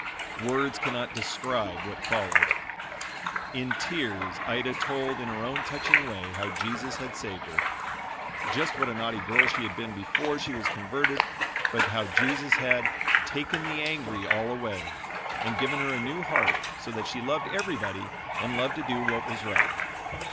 Words cannot describe what followed. In tears, Ida told, in her own touching way, how Jesus had saved her just what a naughty girl she had been before she was converted but how Jesus had "taken the angry all away" and given her a new heart so that she loved everybody and loved to do what was right.